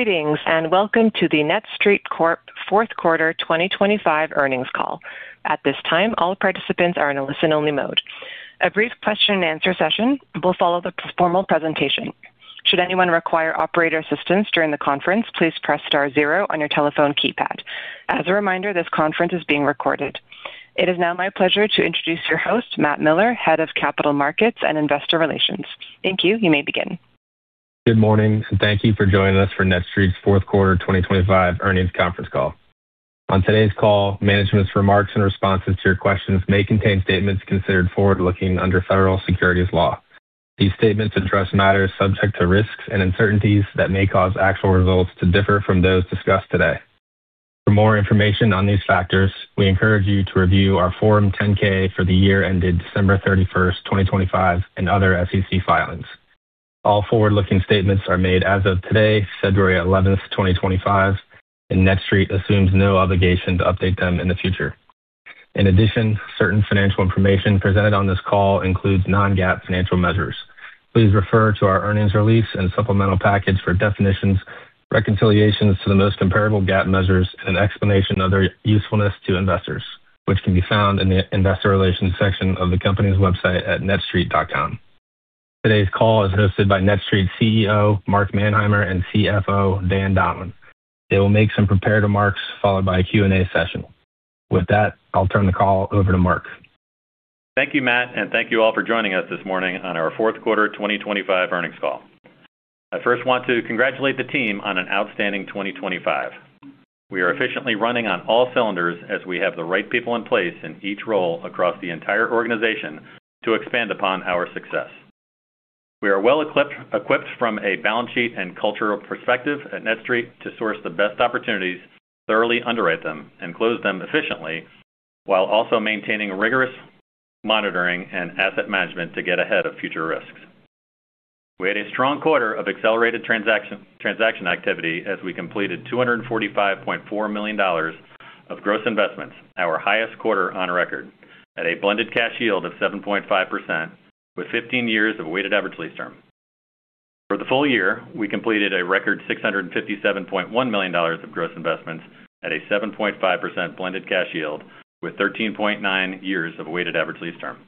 Greetings, and welcome to the NETSTREIT Corp. Fourth Quarter 2025 Earnings Call. At this time, all participants are in a listen-only mode. A brief question-and-answer session will follow the formal presentation. Should anyone require operator assistance during the conference, please press star zero on your telephone keypad. As a reminder, this conference is being recorded. It is now my pleasure to introduce your host, Matt Miller, Head of Capital Markets and Investor Relations. Thank you. You may begin. Good morning, and thank you for joining us for NETSTREIT's Fourth Quarter 2025 Earnings Conference Call. On today's call, management's remarks and responses to your questions may contain statements considered forward-looking under federal securities law. These statements address matters subject to risks and uncertainties that may cause actual results to differ from those discussed today. For more information on these factors, we encourage you to review our Form 10-K for the year ended December 31, 2025, and other SEC filings. All forward-looking statements are made as of today, February 11, 2025, and NETSTREIT assumes no obligation to update them in the future. In addition, certain financial information presented on this call includes non-GAAP financial measures. Please refer to our earnings release and supplemental package for definitions, reconciliations to the most comparable GAAP measures, and an explanation of their usefulness to investors, which can be found in the Investor Relations section of the company's website at netstreit.com. Today's call is hosted by NETSTREIT's CEO, Mark Manheimer, and CFO, Dan Donlan. They will make some prepared remarks, followed by a Q&A session. With that, I'll turn the call over to Mark. Thank you, Matt, and thank you all for joining us this morning on our fourth quarter 2025 earnings call. I first want to congratulate the team on an outstanding 2025. We are efficiently running on all cylinders as we have the right people in place in each role across the entire organization to expand upon our success. We are well equipped from a balance sheet and cultural perspective at NETSTREIT to source the best opportunities, thoroughly underwrite them, and close them efficiently, while also maintaining rigorous monitoring and asset management to get ahead of future risks. We had a strong quarter of accelerated transaction activity as we completed $245.4 million of gross investments, our highest quarter on record, at a blended cash yield of 7.5%, with 15 years of weighted average lease term. For the full year, we completed a record $657.1 million of gross investments at a 7.5% blended cash yield, with 13.9 years of weighted average lease term.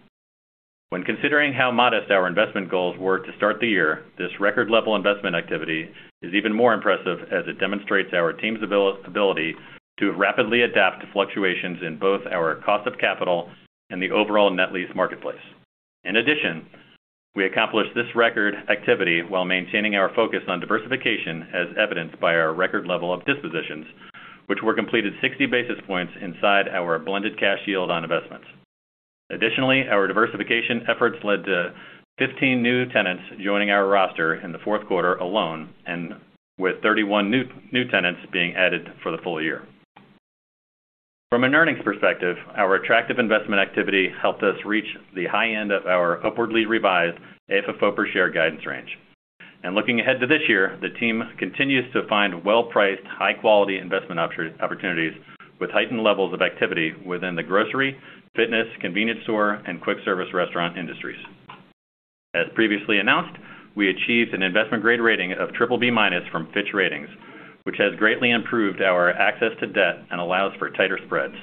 When considering how modest our investment goals were to start the year, this record level investment activity is even more impressive as it demonstrates our team's ability to rapidly adapt to fluctuations in both our cost of capital and the overall net lease marketplace. In addition, we accomplished this record activity while maintaining our focus on diversification, as evidenced by our record level of dispositions, which were completed 60 basis points inside our blended cash yield on investments. Additionally, our diversification efforts led to 15 new tenants joining our roster in the fourth quarter alone, and with 31 new tenants being added for the full year. From an earnings perspective, our attractive investment activity helped us reach the high end of our upwardly revised AFFO per share guidance range. Looking ahead to this year, the team continues to find well-priced, high-quality investment opportunities with heightened levels of activity within the grocery, fitness, convenience store, and quick service restaurant industries. As previously announced, we achieved an investment-grade rating of BBB- from Fitch Ratings, which has greatly improved our access to debt and allows for tighter spreads.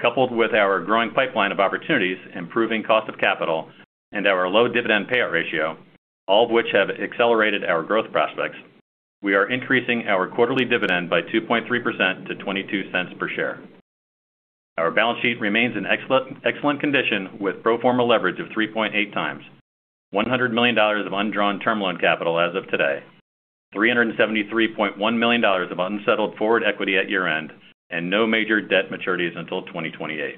Coupled with our growing pipeline of opportunities, improving cost of capital, and our low dividend payout ratio, all of which have accelerated our growth prospects, we are increasing our quarterly dividend by 2.3% to $0.22 per share. Our balance sheet remains in excellent, excellent condition, with pro forma leverage of 3.8 times, $100 million of undrawn term loan capital as of today, $373.1 million of unsettled forward equity at year-end, and no major debt maturities until 2028.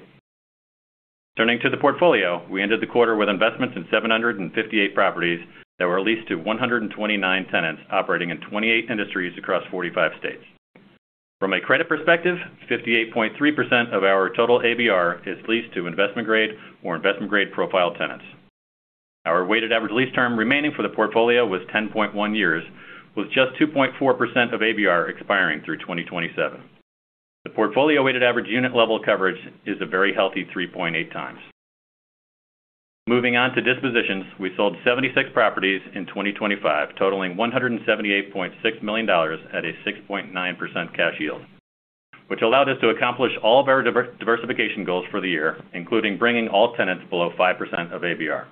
Turning to the portfolio, we ended the quarter with investments in 758 properties that were leased to 129 tenants operating in 28 industries across 45 states. From a credit perspective, 58.3% of our total ABR is leased to investment grade or investment grade Profile tenants. Our weighted average lease term remaining for the portfolio was 10.1 years, with just 2.4% of ABR expiring through 2027. The portfolio weighted average unit level coverage is a very healthy 3.8 times. Moving on to dispositions, we sold 76 properties in 2025, totaling $178.6 million at a 6.9% cash yield, which allowed us to accomplish all of our diversification goals for the year, including bringing all tenants below 5% of ABR.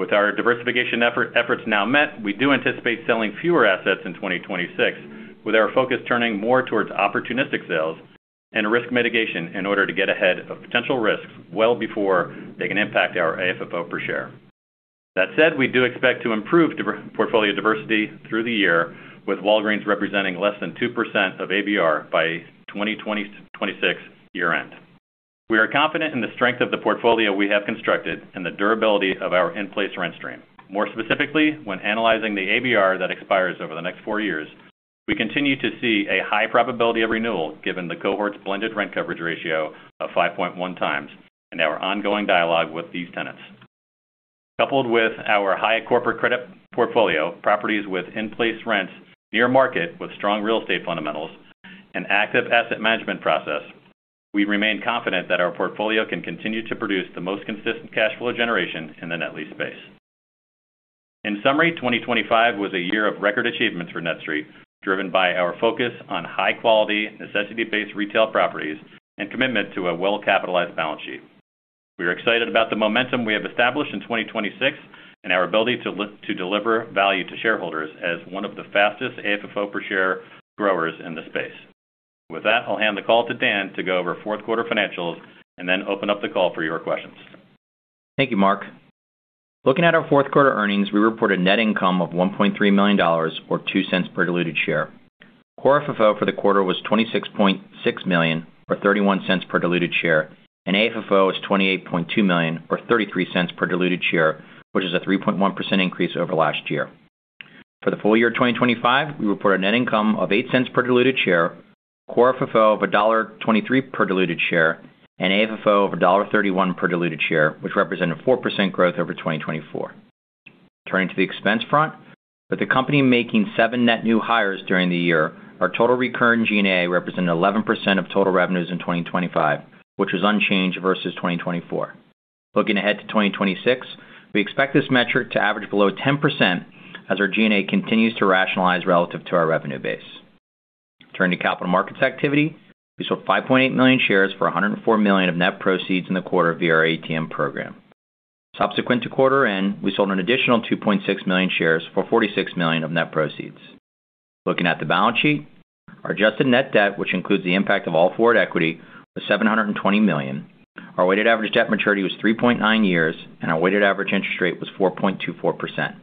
With our diversification efforts now met, we do anticipate selling fewer assets in 2026, with our focus turning more towards opportunistic sales and risk mitigation in order to get ahead of potential risks well before they can impact our AFFO per share. That said, we do expect to improve portfolio diversity through the year, with Walgreens representing less than 2% of ABR by 2026 year end. We are confident in the strength of the portfolio we have constructed and the durability of our in-place rent stream. More specifically, when analyzing the ABR that expires over the next four years, we continue to see a high probability of renewal, given the cohort's blended rent coverage ratio of 5.1 times and our ongoing dialogue with these tenants. Coupled with our high corporate credit portfolio, properties with in-place rents near market with strong real estate fundamentals and active asset management process. We remain confident that our portfolio can continue to produce the most consistent cash flow generation in the net lease space. In summary, 2025 was a year of record achievements for NETSTREIT, driven by our focus on high quality, necessity-based retail properties and commitment to a well-capitalized balance sheet. We are excited about the momentum we have established in 2026 and our ability to to deliver value to shareholders as one of the fastest AFFO per share growers in the space. With that, I'll hand the call to Dan to go over fourth quarter financials and then open up the call for your questions. Thank you, Mark. Looking at our fourth quarter earnings, we reported net income of $1.3 million, or $0.02 per diluted share. Core FFO for the quarter was $26.6 million, or $0.31 per diluted share, and AFFO is $28.2 million, or $0.33 per diluted share, which is a 3.1% increase over last year. For the full year 2025, we reported net income of $0.08 per diluted share, core FFO of $1.23 per diluted share, and AFFO of $1.31 per diluted share, which represented 4% growth over 2024. Turning to the expense front, with the company making 7 net new hires during the year, our total recurring G&A represented 11% of total revenues in 2025, which was unchanged versus 2024. Looking ahead to 2026, we expect this metric to average below 10% as our G&A continues to rationalize relative to our revenue base. Turning to capital markets activity, we sold 5.8 million shares for $104 million of net proceeds in the quarter via our ATM program. Subsequent to quarter end, we sold an additional 2.6 million shares for $46 million of net proceeds. Looking at the balance sheet, our adjusted net debt, which includes the impact of all forward equity, was $720 million. Our weighted average debt maturity was 3.9 years, and our weighted average interest rate was 4.24%.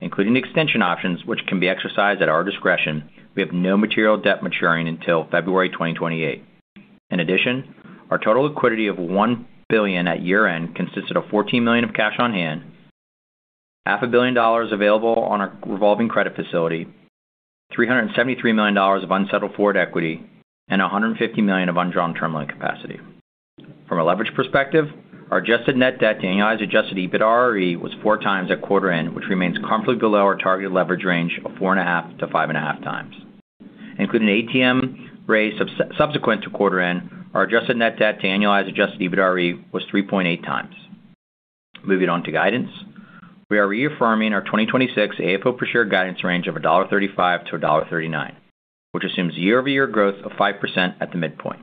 Including the extension options, which can be exercised at our discretion, we have no material debt maturing until February 2028. In addition, our total liquidity of $1 billion at year-end consisted of $14 million of cash on hand, $500 million available on our revolving credit facility, $373 million of unsettled forward equity, and $150 million of undrawn term loan capacity. From a leverage perspective, our adjusted net debt to annualized adjusted EBITDARE was 4x at quarter end, which remains comfortably below our targeted leverage range of 4.5x-5.5x. Including an ATM raise subsequent to quarter end, our adjusted net debt to annualized adjusted EBITDARE was 3.8x. Moving on to guidance. We are reaffirming our 2026 AFFO per share guidance range of $1.35-$1.39, which assumes year-over-year growth of 5% at the midpoint.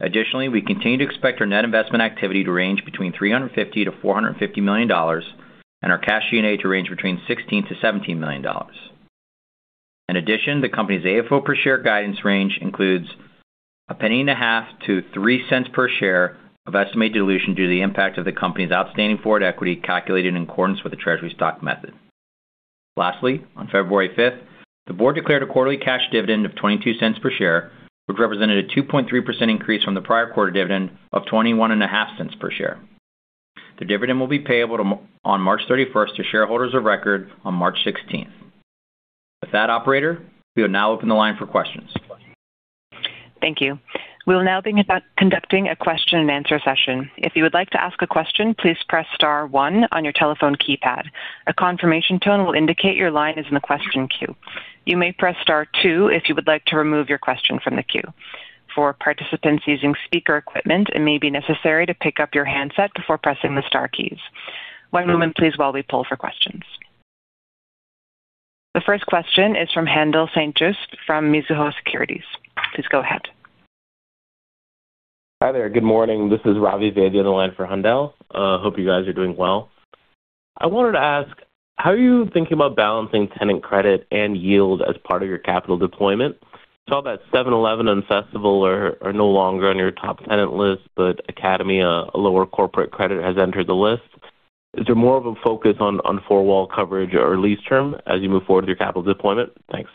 Additionally, we continue to expect our net investment activity to range between $350-$450 million, and our cash G&A to range between $16-$17 million. In addition, the company's AFFO per share guidance range includes $0.015-$0.03 per share of estimated dilution due to the impact of the company's outstanding forward equity, calculated in accordance with the treasury stock method. Lastly, on February fifth, the board declared a quarterly cash dividend of $0.22 per share, which represented a 2.3% increase from the prior quarter dividend of $0.215 per share. The dividend will be payable on March thirty-first to shareholders of record on March sixteenth. With that, operator, we will now open the line for questions. Thank you. We'll now be conducting a question and answer session. If you would like to ask a question, please press star one on your telephone keypad. A confirmation tone will indicate your line is in the question queue. You may press star two if you would like to remove your question from the queue. For participants using speaker equipment, it may be necessary to pick up your handset before pressing the star keys. One moment, please, while we pull for questions. The first question is from Handel St. Juste from Mizuho Securities. Please go ahead. Hi there. Good morning. This is Ravi Vaidya on the line for Handel St. Juste. Hope you guys are doing well. I wanted to ask, how are you thinking about balancing tenant credit and yield as part of your capital deployment? Saw that 7-Eleven and Festival are no longer on your top tenant list, but Academy, a lower corporate credit, has entered the list. Is there more of a focus on four wall coverage or lease term as you move forward with your capital deployment? Thanks.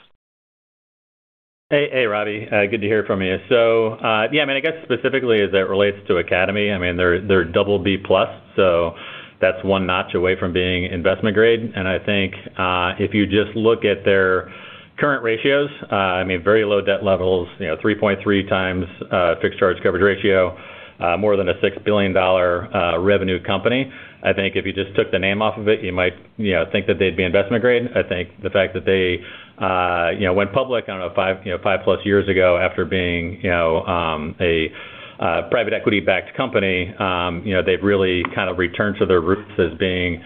Hey, hey, Ravi, good to hear from you. So, yeah, I mean, I guess specifically as it relates to Academy, I mean, they're, they're BB+, so that's one notch away from being investment grade. And I think, if you just look at their current ratios, I mean, very low debt levels, you know, 3.3 times fixed charge coverage ratio, more than a $6 billion revenue company. I think if you just took the name off of it, you might, you know, think that they'd be investment grade. I think the fact that they, you know, went public, I don't know, five, you know, 5+ years ago after being, you know, a private equity-backed company. You know, they've really kind of returned to their roots as being,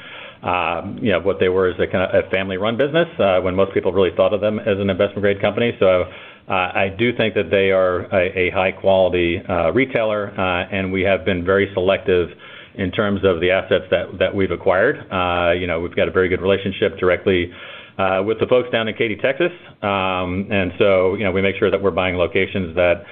you know, what they were as a kind of a family-run business, when most people really thought of them as an investment grade company. So, I do think that they are a high quality retailer, and we have been very selective in terms of the assets that we've acquired. You know, we've got a very good relationship directly with the folks down in Katy, Texas. And so, you know, we make sure that we're buying locations that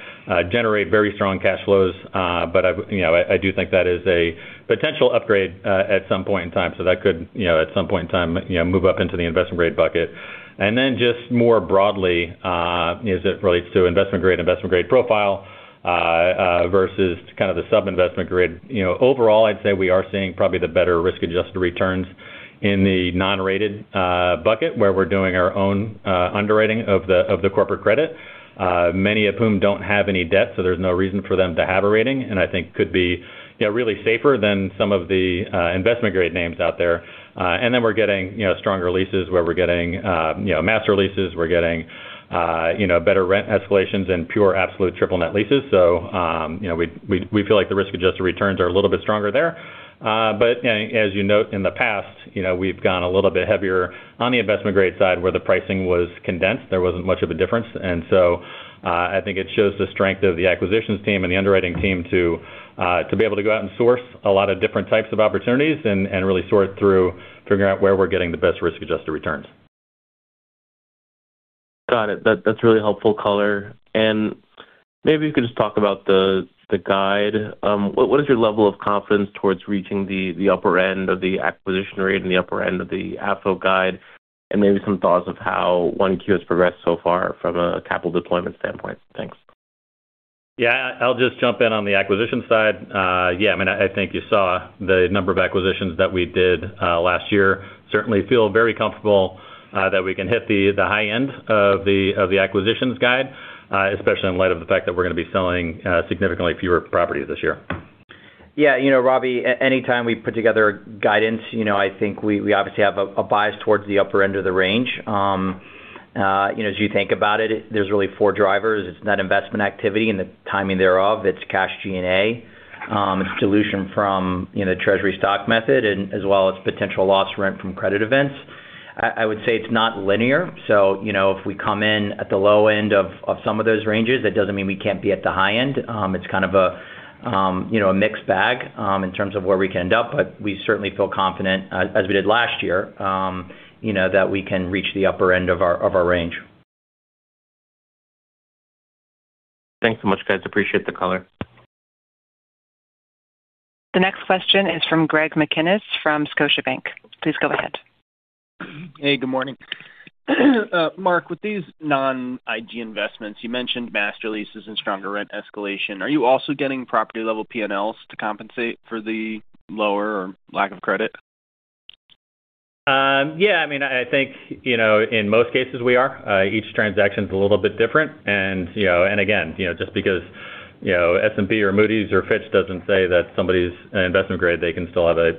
generate very strong cash flows. But I, you know, I do think that is a potential upgrade at some point in time, so that could, you know, at some point in time, you know, move up into the investment grade bucket. And then just more broadly, as it relates to investment grade, investment grade profile, versus kind of the sub-investment grade, you know, overall, I'd say we are seeing probably the better risk-adjusted returns in the non-rated bucket, where we're doing our own underwriting of the corporate credit, many of whom don't have any debt, so there's no reason for them to have a rating, and I think could be, you know, really safer than some of the investment-grade names out there. And then we're getting, you know, stronger leases, where we're getting, you know, master leases, we're getting, you know, better rent escalations and pure absolute triple net leases. So, you know, we feel like the risk-adjusted returns are a little bit stronger there. But, yeah, as you note in the past, you know, we've gone a little bit heavier on the investment grade side, where the pricing was condensed. There wasn't much of a difference. And so, I think it shows the strength of the acquisitions team and the underwriting team to, to be able to go out and source a lot of different types of opportunities and really sort through figuring out where we're getting the best risk-adjusted returns. Got it. That's really helpful color. Maybe you could just talk about the guide. What is your level of confidence towards reaching the upper end of the acquisition rate and the upper end of the AFFO guide, and maybe some thoughts of how 1Q has progressed so far from a capital deployment standpoint? Thanks. Yeah. I'll just jump in on the acquisition side. Yeah, I mean, I think you saw the number of acquisitions that we did last year. Certainly feel very comfortable that we can hit the high end of the acquisitions guide, especially in light of the fact that we're going to be selling significantly fewer properties this year. Yeah, you know, Robbie, anytime we put together guidance, you know, I think we obviously have a bias towards the upper end of the range. You know, as you think about it, there's really four drivers. It's net investment activity and the timing thereof, it's cash G&A, it's dilution from, you know, Treasury Stock Method, and as well as potential loss rent from credit events. I would say it's not linear, so, you know, if we come in at the low end of some of those ranges, that doesn't mean we can't be at the high end. It's kind of a, you know, a mixed bag, in terms of where we can end up, but we certainly feel confident as, as we did last year, you know, that we can reach the upper end of our, of our range. Thanks so much, guys. Appreciate the color. The next question is from Greg McGinnis from Scotiabank. Please go ahead. Hey, good morning. Mark, with these non-IG investments, you mentioned master leases and stronger rent escalation. Are you also getting property-level PNLs to compensate for the lower or lack of credit? Yeah, I mean, I think, you know, in most cases we are. Each transaction is a little bit different. And, you know, and again, you know, just because, you know, S&P or Moody's or Fitch doesn't say that somebody's an investment grade, they can still have an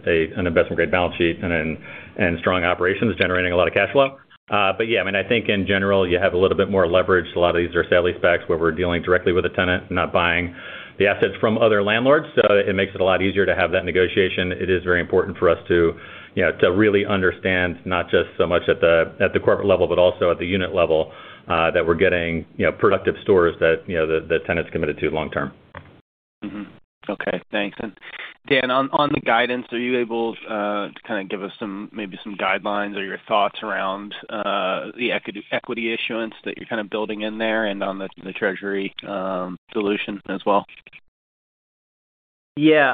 investment-grade balance sheet and then, and strong operations generating a lot of cash flow. But yeah, I mean, I think in general, you have a little bit more leverage. A lot of these are sale-leasebacks, where we're dealing directly with the tenant, not buying the assets from other landlords. So it makes it a lot easier to have that negotiation. It is very important for us to, you know, to really understand, not just so much at the corporate level, but also at the unit level, that we're getting, you know, productive stores that, you know, the tenant's committed to long term. Mm-hmm. Okay, thanks. And Dan, on the guidance, are you able to kind of give us some, maybe some guidelines or your thoughts around the equity issuance that you're kind of building in there and on the treasury solution as well? Yeah,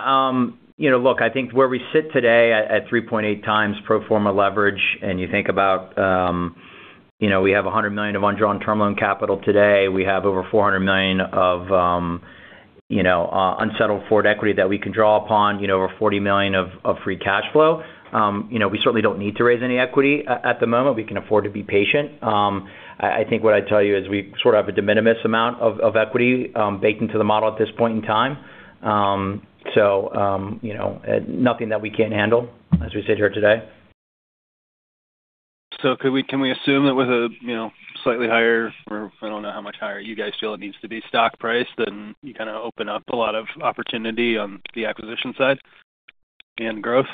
you know, look, I think where we sit today at 3.8 times pro forma leverage, and you think about, you know, we have $100 million of undrawn term loan capital today. We have over $400 million of unsettled forward equity that we can draw upon, you know, over $40 million of free cash flow. You know, we certainly don't need to raise any equity. At the moment, we can afford to be patient. I think what I'd tell you is we sort of have a de minimis amount of equity baked into the model at this point in time. So, you know, nothing that we can't handle as we sit here today. So, can we assume that with a, you know, slightly higher or I don't know how much higher you guys feel it needs to be stock price, then you kind of open up a lot of opportunity on the acquisition side and growth?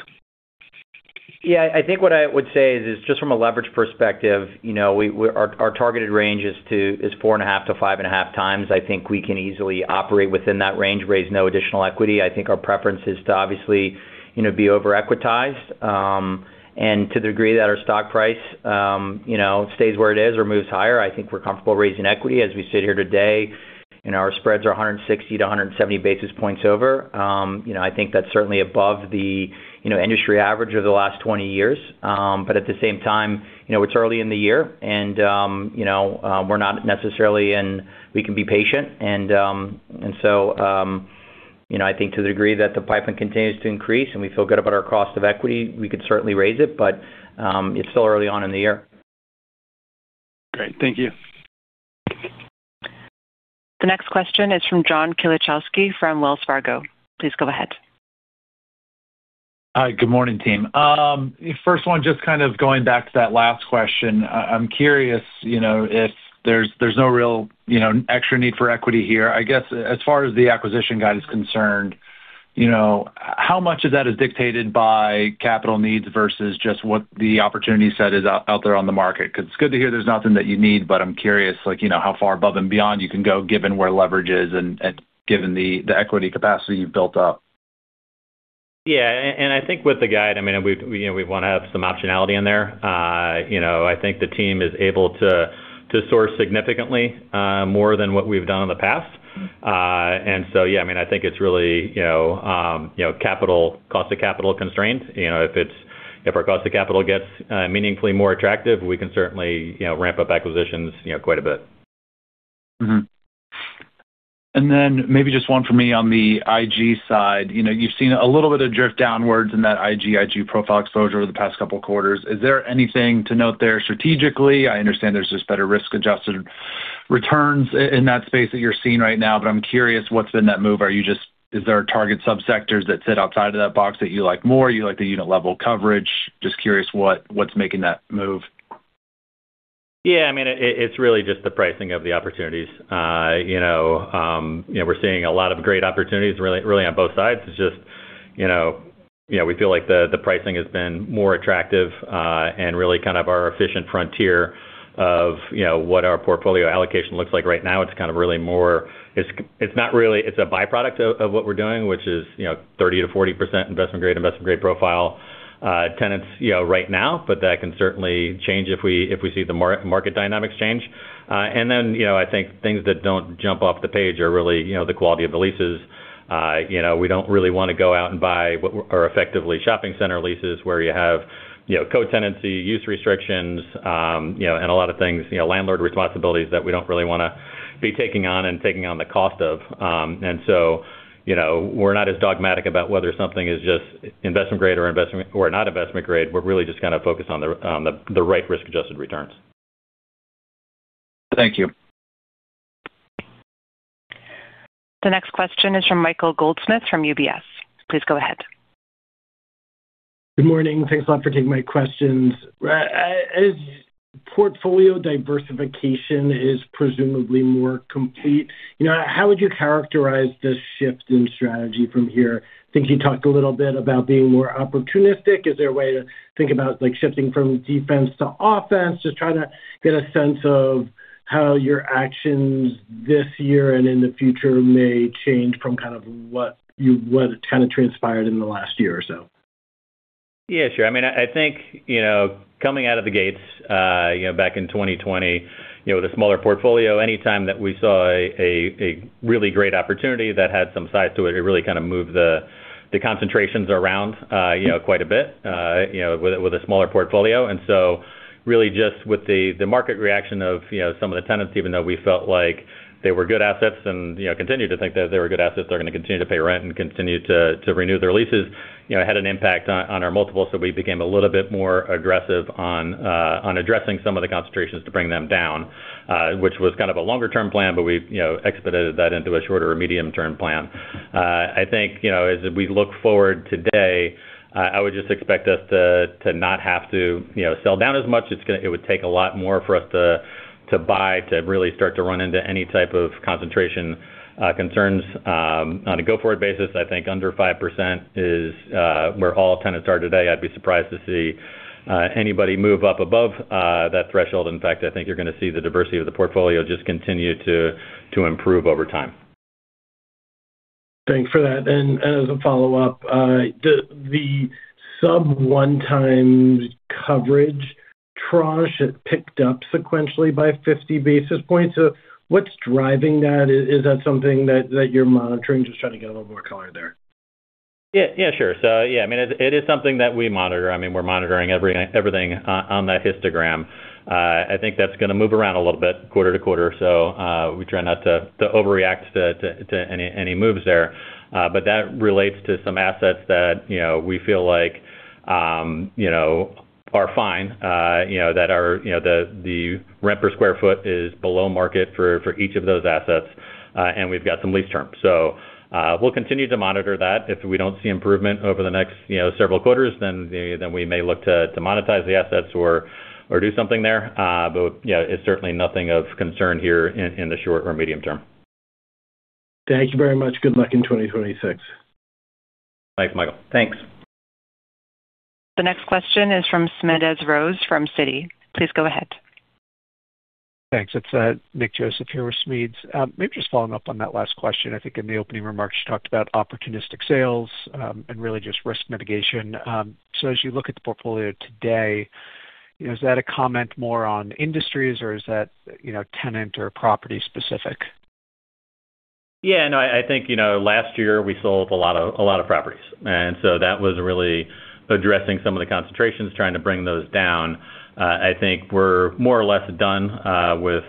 Yeah, I think what I would say is, just from a leverage perspective, you know, our targeted range is 4.5x-5.5x. I think we can easily operate within that range, raise no additional equity. I think our preference is to obviously, you know, be over-equitized. And to the degree that our stock price, you know, stays where it is or moves higher, I think we're comfortable raising equity as we sit here today, and our spreads are 160-170 basis points over. You know, I think that's certainly above the, you know, industry average over the last 20 years. But at the same time, you know, it's early in the year, and, we're not necessarily in... We can be patient. So, you know, I think to the degree that the pipeline continues to increase and we feel good about our cost of equity, we could certainly raise it, but it's still early on in the year. Great. Thank you. The next question is from John Kilichowski from Wells Fargo. Please go ahead. Hi, good morning, team. First one, just kind of going back to that last question. I'm curious, you know, if there's no real, you know, extra need for equity here. I guess as far as the acquisition guide is concerned, you know, how much of that is dictated by capital needs versus just what the opportunity set is out there on the market? Because it's good to hear there's nothing that you need, but I'm curious, like, you know, how far above and beyond you can go, given where leverage is and given the equity capacity you've built up. Yeah, and I think with the guide, I mean, we, you know, we want to have some optionality in there. You know, I think the team is able to source significantly more than what we've done in the past. And so, yeah, I mean, I think it's really, you know, you know, cost of capital constraints. You know, if it's, if our cost of capital gets meaningfully more attractive, we can certainly, you know, ramp up acquisitions, you know, quite a bit. And then maybe just one for me on the IG side. You know, you've seen a little bit of drift downwards in that IG, IG profile exposure over the past couple of quarters. Is there anything to note there strategically? I understand there's just better risk-adjusted returns in that space that you're seeing right now, but I'm curious, what's been that move? Are you just— Is there a target subsectors that sit outside of that box that you like more? You like the unit-level coverage. Just curious what, what's making that move? Yeah, I mean, it's really just the pricing of the opportunities. You know, you know, we're seeing a lot of great opportunities really, really on both sides. It's just, you know, you know, we feel like the pricing has been more attractive, and really kind of our efficient frontier of, you know, what our portfolio allocation looks like right now. It's kind of really more... It's, it's not really, it's a byproduct of what we're doing, which is, you know, 30%-40% investment grade, investment grade Profile, tenants, you know, right now. But that can certainly change if we see the market dynamics change. And then, you know, I think things that don't jump off the page are really, you know, the quality of the leases. You know, we don't really want to go out and buy what are effectively shopping center leases, where you have, you know, co-tenancy, use restrictions, you know, and a lot of things, you know, landlord responsibilities that we don't really wanna be taking on and taking on the cost of. And so, you know, we're not as dogmatic about whether something is just investment grade or investment grade or not investment grade. We're really just kind of focused on the right risk-adjusted returns. Thank you. The next question is from Michael Goldsmith, from UBS. Please go ahead. Good morning. Thanks a lot for taking my questions. As portfolio diversification is presumably more complete, you know, how would you characterize the shift in strategy from here? I think you talked a little bit about being more opportunistic. Is there a way to think about, like, shifting from defense to offense? Just trying to get a sense of how your actions this year and in the future may change from kind of what kind of transpired in the last year or so. Yeah, sure. I mean, I think, you know, coming out of the gates, you know, back in 2020, you know, with a smaller portfolio, anytime that we saw a really great opportunity that had some size to it, it really kind of moved the concentrations around, you know, quite a bit, you know, with a smaller portfolio. And so really just with the market reaction of, you know, some of the tenants, even though we felt like they were good assets and, you know, continued to think that they were good assets, they're gonna continue to pay rent and continue to renew their leases, you know, had an impact on our multiples. So we became a little bit more aggressive on addressing some of the concentrations to bring them down, which was kind of a longer-term plan, but we, you know, expedited that into a shorter- or medium-term plan. I think, you know, as we look forward today, I would just expect us to not have to, you know, sell down as much. It's gonna. It would take a lot more for us to buy to really start to run into any type of concentration concerns. On a go-forward basis, I think under 5% is where all tenants are today. I'd be surprised to see anybody move up above that threshold. In fact, I think you're gonna see the diversity of the portfolio just continue to improve over time. Thanks for that. And as a follow-up, the sub-1x coverage trough, it picked up sequentially by 50 basis points. So what's driving that? Is that something that you're monitoring? Just trying to get a little more color there. Yeah, yeah, sure. So, yeah, I mean, it is something that we monitor. I mean, we're monitoring everything on that histogram. I think that's gonna move around a little bit quarter to quarter. So, we try not to overreact to any moves there. But that relates to some assets that, you know, we feel like, you know, are fine, you know, that are, you know, the rent per square foot is below market for each of those assets, and we've got some lease terms. So, we'll continue to monitor that. If we don't see improvement over the next, you know, several quarters, then we may look to monetize the assets or do something there. But, yeah, it's certainly nothing of concern here in the short or medium term. Thank you very much. Good luck in 2026. Thanks, Michael. Thanks. The next question is from Smedes Rose, from Citi. Please go ahead. Thanks. It's Nick Joseph here with Smedes. Maybe just following up on that last question. I think in the opening remarks, you talked about opportunistic sales, and really just risk mitigation. So as you look at the portfolio today, you know, is that a comment more on industries, or is that, you know, tenant or property specific? Yeah, no, I think, you know, last year we sold a lot of, a lot of properties, and so that was really addressing some of the concentrations, trying to bring those down. I think we're more or less done with,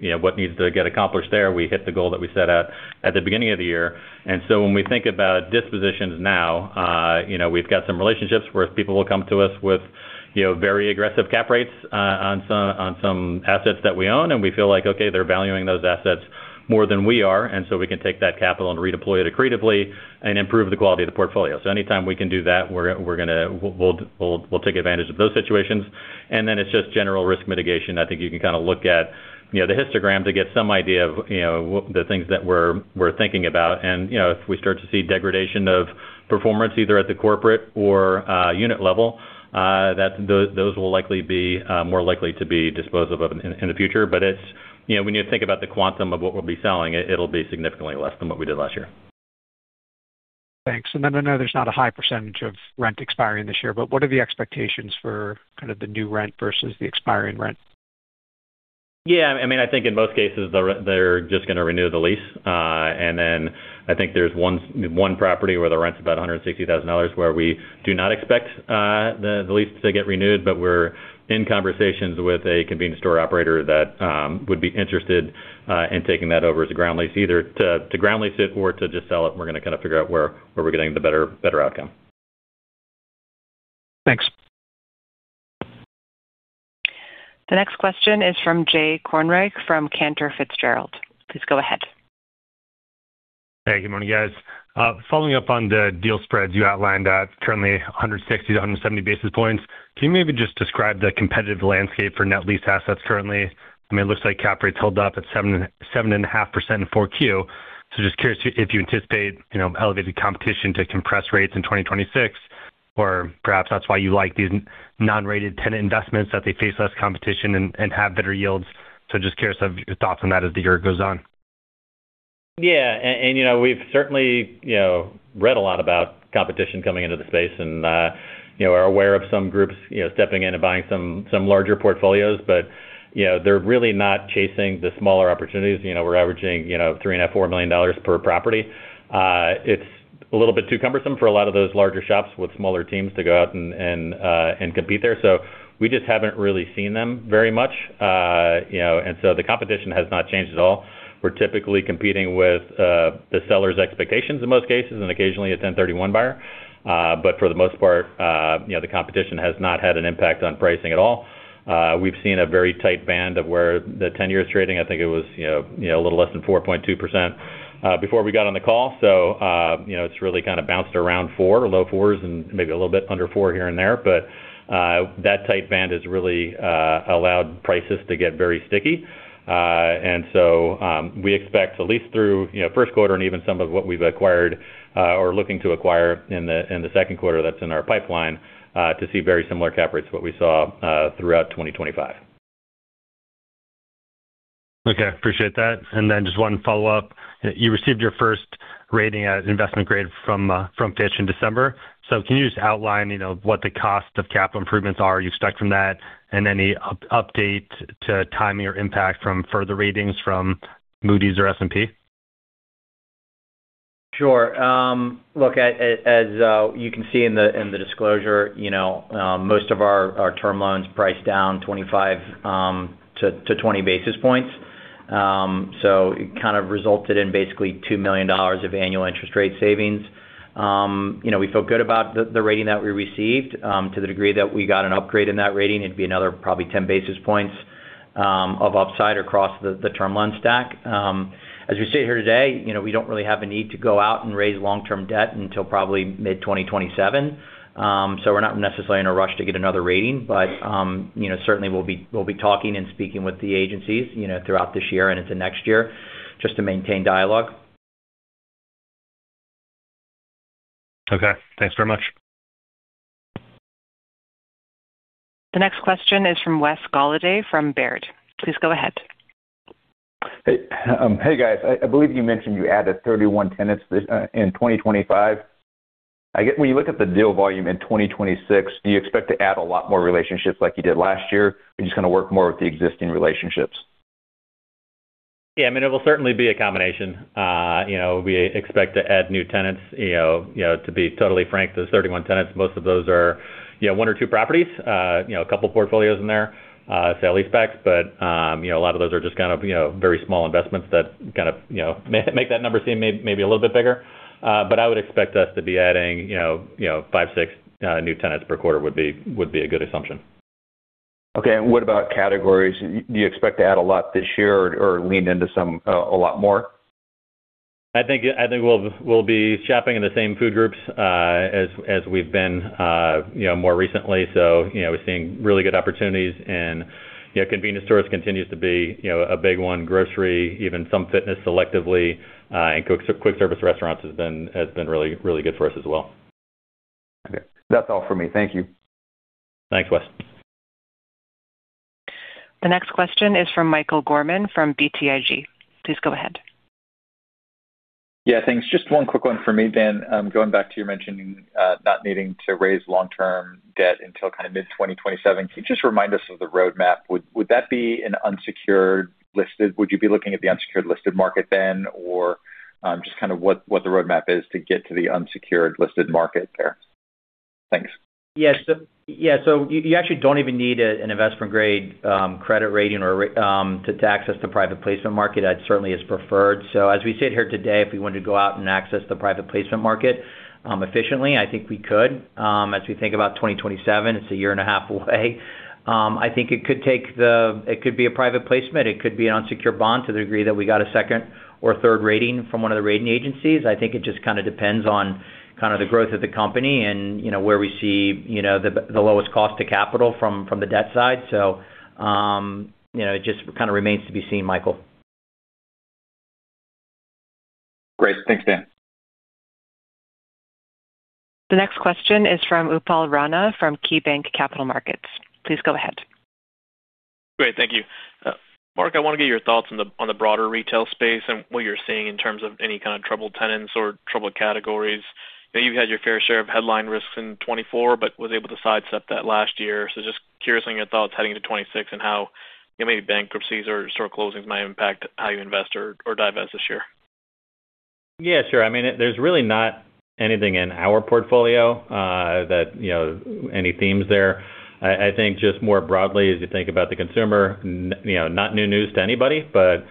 you know, what needs to get accomplished there. We hit the goal that we set out at the beginning of the year, and so when we think about dispositions now, you know, we've got some relationships where people will come to us with, you know, very aggressive cap rates on some, on some assets that we own, and we feel like, okay, they're valuing those assets more than we are, and so we can take that capital and redeploy it accretively and improve the quality of the portfolio. So anytime we can do that, we're gonna... We'll take advantage of those situations. And then it's just general risk mitigation. I think you can kind of look at, you know, the histogram to get some idea of, you know, the things that we're thinking about. And, you know, if we start to see degradation of performance, either at the corporate or unit level, those will likely be more likely to be disposed of in the future. But it's, you know, when you think about the quantum of what we'll be selling, it'll be significantly less than what we did last year. Thanks. And then I know there's not a high percentage of rent expiring this year, but what are the expectations for kind of the new rent versus the expiring rent? Yeah, I mean, I think in most cases, they're just gonna renew the lease. And then I think there's one property where the rent's about $160,000, where we do not expect the lease to get renewed. But we're in conversations with a convenience store operator that would be interested in taking that over as a ground lease, either to ground lease it or to just sell it. We're gonna kind of figure out where we're getting the better outcome. Thanks. The next question is from Jay Kornreich from Cantor Fitzgerald. Please go ahead. Hey, good morning, guys. Following up on the deal spreads you outlined at currently 160-170 basis points. Can you maybe just describe the competitive landscape for net lease assets currently? I mean, it looks like cap rates held up at 7, 7.5% in 4Q. So just curious if you anticipate, you know, elevated competition to compress rates in 2026, or perhaps that's why you like these non-rated tenant investments, that they face less competition and have better yields. So just curious of your thoughts on that as the year goes on. Yeah, and, you know, we've certainly, you know, read a lot about competition coming into the space and, you know, are aware of some groups, you know, stepping in and buying some, some larger portfolios. But, you know, they're really not chasing the smaller opportunities. You know, we're averaging, you know, $3.5-$4 million per property. It's a little bit too cumbersome for a lot of those larger shops with smaller teams to go out and compete there. So we just haven't really seen them very much. You know, and so the competition has not changed at all. We're typically competing with the seller's expectations in most cases, and occasionally a 1031 buyer. But for the most part, you know, the competition has not had an impact on pricing at all. We've seen a very tight band of where the 10-year is trading. I think it was, you know, you know, a little less than 4.2%, before we got on the call. So, you know, it's really kind of bounced around 4, low 4s and maybe a little bit under 4 here and there. But, that tight band has really, allowed prices to get very sticky. And so, we expect at least through, you know, first quarter and even some of what we've acquired, or looking to acquire in the, in the second quarter, that's in our pipeline, to see very similar cap rates to what we saw, throughout 2025. Okay, appreciate that. And then just one follow-up. You received your first rating as investment grade from from Fitch in December. So can you just outline, you know, what the cost of capital improvements are you expect from that? And any update to timing or impact from further ratings from Moody's or S&P? Sure. Look, as you can see in the disclosure, you know, most of our term loans priced down 25-20 basis points. So it kind of resulted in basically $2 million of annual interest rate savings. You know, we feel good about the rating that we received. To the degree that we got an upgrade in that rating, it'd be another probably 10 basis points of upside across the term loan stack. As we sit here today, you know, we don't really have a need to go out and raise long-term debt until probably mid-2027. So we're not necessarily in a rush to get another rating. You know, certainly we'll be talking and speaking with the agencies, you know, throughout this year and into next year, just to maintain dialogue. Okay, thanks very much. The next question is from Wes Golladay, from Baird. Please go ahead. Hey, hey, guys. I believe you mentioned you added 31 tenants this in 2025. When you look at the deal volume in 2026, do you expect to add a lot more relationships like you did last year, or are you just gonna work more with the existing relationships? Yeah, I mean, it will certainly be a combination. You know, we expect to add new tenants. You know, to be totally frank, those 31 tenants, most of those are, you know, 1 or 2 properties. You know, a couple portfolios in there, sale-leasebacks. But, you know, a lot of those are just kind of, you know, very small investments that kind of, you know, make that number seem maybe a little bit bigger. But I would expect us to be adding, you know, 5, 6 new tenants per quarter would be a good assumption. Okay. And what about categories? Do you expect to add a lot this year or, or lean into some, a lot more? I think we'll be shopping in the same food groups as we've been, you know, more recently. So, you know, we're seeing really good opportunities and, you know, convenience stores continues to be, you know, a big one, grocery, even some fitness selectively, and quick service restaurants has been really good for us as well. Okay. That's all for me. Thank you. Thanks, Wes. The next question is from Michael Gorman, from BTIG. Please go ahead. Yeah, thanks. Just one quick one for me, Dan. Going back to you mentioning not needing to raise long-term debt until kind of mid-2027. Can you just remind us of the roadmap? Would, would that be an unsecured listed? Would you be looking at the unsecured listed market then? Or just kind of what, what the roadmap is to get to the unsecured listed market there? Thanks. Yes. So, yeah, so you, you actually don't even need a, an investment-grade credit rating or to access the private placement market. That certainly is preferred. So as we sit here today, if we wanted to go out and access the private placement market efficiently, I think we could. As we think about 2027, it's a year and a half away. I think it could be a private placement, it could be an unsecured bond, to the degree that we got a second or third rating from one of the rating agencies. I think it just kind of depends on kind of the growth of the company and, you know, where we see, you know, the, the lowest cost to capital from, from the debt side. So, you know, it just kind of remains to be seen, Michael. Great. Thanks, Dan. The next question is from Upal Rana, from KeyBanc Capital Markets. Please go ahead. Great. Thank you. Mark, I want to get your thoughts on the broader retail space and what you're seeing in terms of any kind of troubled tenants or troubled categories. Now, you've had your fair share of headline risks in 2024, but was able to sidestep that last year. So just curious on your thoughts heading into 2026 and how-... Yeah, maybe bankruptcies or store closings might impact how you invest or divest this year? Yeah, sure. I mean, there's really not anything in our portfolio that, you know, any themes there. I think just more broadly, as you think about the consumer, you know, not new news to anybody, but, you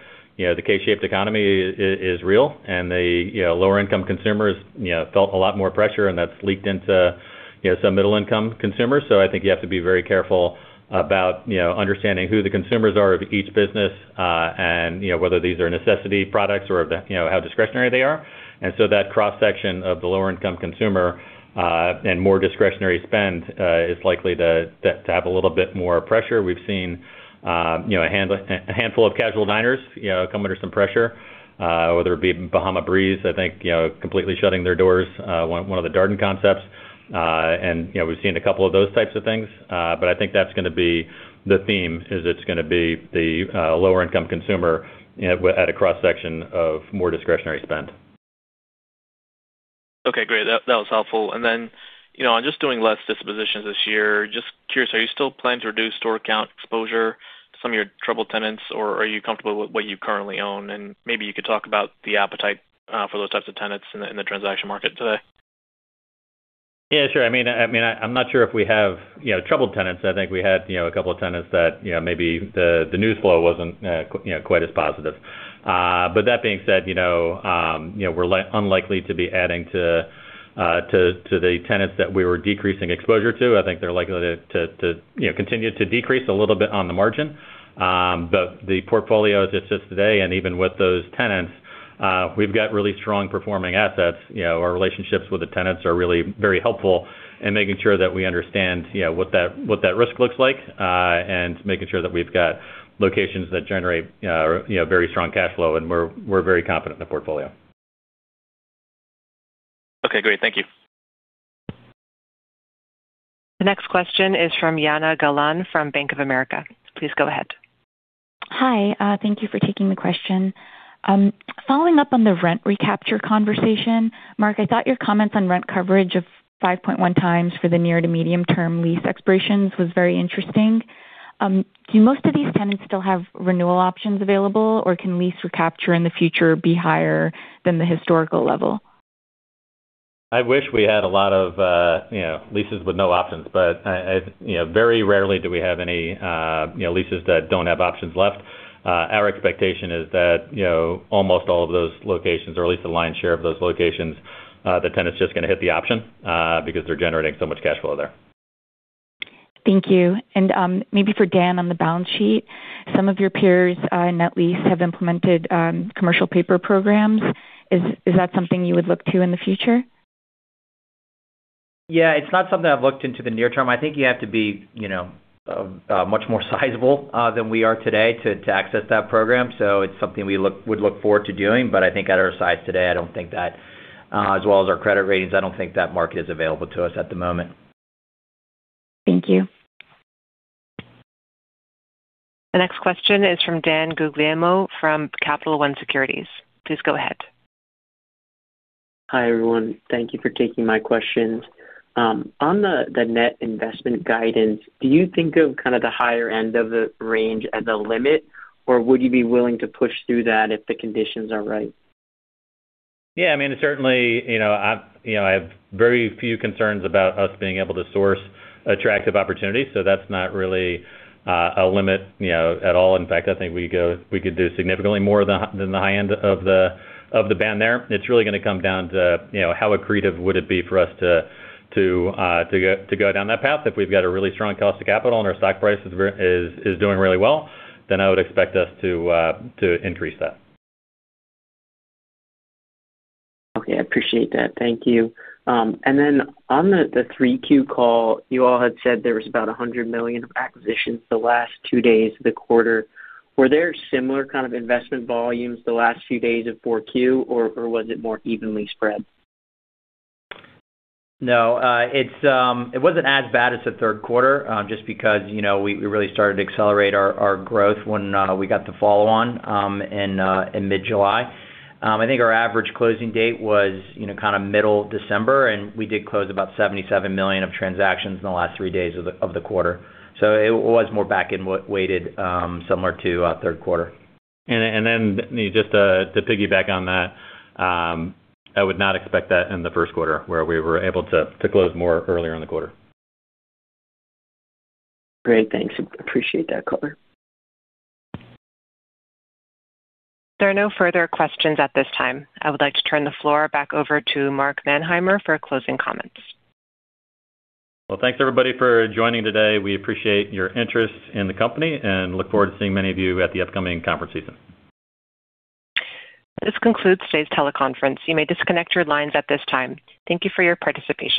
know, the K-shaped economy is real, and the, you know, lower income consumers, you know, felt a lot more pressure, and that's leaked into, you know, some middle income consumers. So I think you have to be very careful about, you know, understanding who the consumers are of each business, and, you know, whether these are necessity products or, you know, how discretionary they are. And so that cross-section of the lower income consumer, and more discretionary spend, is likely to have a little bit more pressure. We've seen, you know, a handful of casual diners, you know, come under some pressure, whether it be Bahama Breeze, I think, you know, completely shutting their doors, one of the Darden concepts. And, you know, we've seen a couple of those types of things, but I think that's gonna be the theme, is it's gonna be the lower income consumer at a cross-section of more discretionary spend. Okay, great. That, that was helpful. And then, you know, on just doing less dispositions this year, just curious, are you still planning to reduce store account exposure, some of your troubled tenants, or are you comfortable with what you currently own? And maybe you could talk about the appetite for those types of tenants in the transaction market today. Yeah, sure. I mean, I'm not sure if we have, you know, troubled tenants. I think we had, you know, a couple of tenants that, you know, maybe the, the news flow wasn't, you know, quite as positive. But that being said, you know, we're unlikely to be adding to, to the tenants that we were decreasing exposure to. I think they're likely to, you know, continue to decrease a little bit on the margin. But the portfolio as it sits today, and even with those tenants, we've got really strong performing assets. You know, our relationships with the tenants are really very helpful in making sure that we understand, you know, what that, what that risk looks like, and making sure that we've got locations that generate, you know, very strong cash flow, and we're, we're very confident in the portfolio. Okay, great. Thank you. The next question is from Jana Galan from Bank of America. Please go ahead. Hi, thank you for taking the question. Following up on the rent recapture conversation, Mark, I thought your comments on rent coverage of 5.1 times for the near to medium term lease expirations was very interesting. Do most of these tenants still have renewal options available, or can lease recapture in the future be higher than the historical level? I wish we had a lot of, you know, leases with no options, but, you know, very rarely do we have any, you know, leases that don't have options left. Our expectation is that, you know, almost all of those locations, or at least the lion's share of those locations, the tenant's just gonna hit the option, because they're generating so much cash flow there. Thank you. And, maybe for Dan, on the balance sheet, some of your peers, in net lease have implemented, commercial paper programs. Is that something you would look to in the future? Yeah, it's not something I've looked into the near term. I think you have to be, you know, much more sizable than we are today to access that program. So it's something we would look forward to doing, but I think at our size today, I don't think that, as well as our credit ratings, I don't think that market is available to us at the moment. Thank you. The next question is from Dan Guglielmo from Capital One Securities. Please go ahead. Hi, everyone. Thank you for taking my questions. On the net investment guidance, do you think of kind of the higher end of the range as a limit, or would you be willing to push through that if the conditions are right? Yeah, I mean, certainly, you know, I, you know, I have very few concerns about us being able to source attractive opportunities, so that's not really a limit, you know, at all. In fact, I think we could do significantly more than the high end of the band there. It's really gonna come down to, you know, how accretive would it be for us to go down that path. If we've got a really strong cost of capital and our stock price is doing really well, then I would expect us to increase that. Okay, I appreciate that. Thank you. And then on the 3Q call, you all had said there was about $100 million of acquisitions the last two days of the quarter. Were there similar kind of investment volumes the last few days of 4Q, or was it more evenly spread? No, it wasn't as bad as the third quarter, just because, you know, we really started to accelerate our growth when we got the follow on in mid-July. I think our average closing date was, you know, kind of middle December, and we did close about $77 million of transactions in the last three days of the quarter. So it was more back end weighted, similar to third quarter. Then, just to piggyback on that, I would not expect that in the first quarter, where we were able to close more earlier in the quarter. Great, thanks. Appreciate that color. There are no further questions at this time. I would like to turn the floor back over to Mark Manheimer for closing comments. Well, thanks, everybody, for joining today. We appreciate your interest in the company and look forward to seeing many of you at the upcoming conference season. This concludes today's teleconference. You may disconnect your lines at this time. Thank you for your participation.